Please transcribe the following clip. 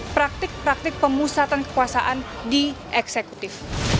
praktik praktik pemusatan kekuasaan di eksekutif